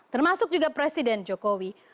termasuk juga presiden jokowi